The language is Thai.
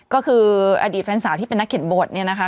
ก็คืออดีตแฟนสาวที่เป็นนักเขียนบท